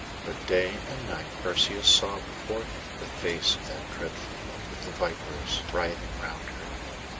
But day and night Perseus saw before him the face of that dreadful woman, with the vipers writhing round her head.